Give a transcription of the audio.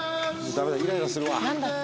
ダメだイライラするわ。